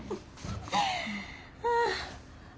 ああ。